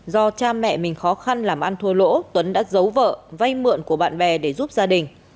do cha mẹ mình khó khăn làm ăn thua lỗ tuấn đã giấu vợ vay mượn của bạn bè để giúp gia đình